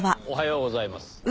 おはようございます。